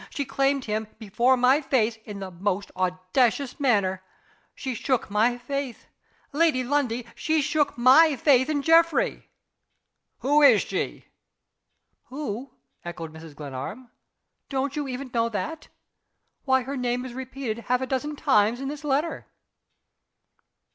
She claimed him before my face in the most audacious manner. She shook my faith, Lady Lundie she shook my faith in Geoffrey!" "Who is she?" "Who?" echoed Mrs. Glenarm. "Don't you even know that? Why her name is repeated half a dozen times in this letter!"